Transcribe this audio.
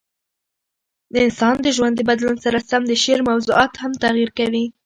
د انسان د ژوند د بدلون سره سم د شعر موضوعات هم تغیر کوي.